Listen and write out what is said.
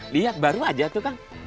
liat baru aja tuh kang